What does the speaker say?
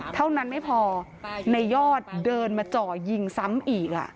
เท่านั้นไม่พอในยอดเดินมาจ่อยิงซ้ำอีก